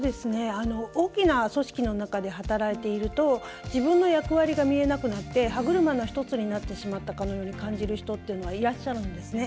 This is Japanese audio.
大きな組織の中で働いていると自分の役割が見えなくなって歯車の一つになってしまったように感じる人はいらっしゃるんですね。